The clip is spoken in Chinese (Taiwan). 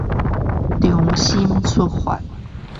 從心出發